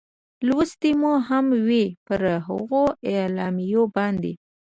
لوستې مو هم وې، پر هغو اعلامیو باندې.